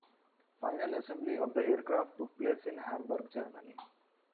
Final assembly of the aircraft took place in Hamburg, Germany.